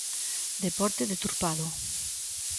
Deporte deturpado.